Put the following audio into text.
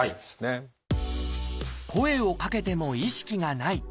声をかけても意識がない。